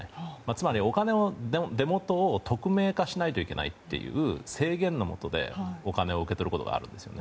つまり、お金の出元を匿名化しないといけないという制限のもとでお金を受け取ることがある。